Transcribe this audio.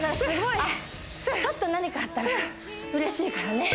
ちょっと何かあったら嬉しいからね